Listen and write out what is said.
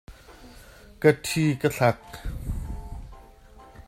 Ka ṭhi ka thlak.